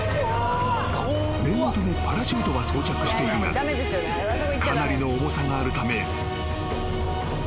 ［念のためパラシュートは装着しているがかなりの重さがあるため］